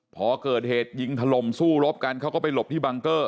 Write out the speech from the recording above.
พอเกิดเหตุยิงถล่มสู้รบกันเขาก็ไปหลบที่บังเกอร์